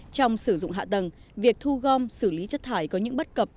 trong sử dụng hạ tầng việc thu gom xử lý chất thải có những bất cập